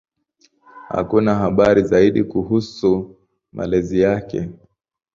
Hakuna habari zaidi kuhusu malezi yake.